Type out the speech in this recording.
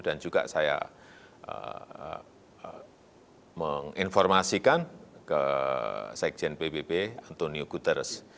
dan juga saya menginformasikan ke sekjen ppp antonio guterres